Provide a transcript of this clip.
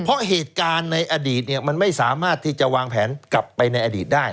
เพราะเหตุการณ์ในอดีตมันไม่สามารถที่จะวางแผนกลับไปในอดีตได้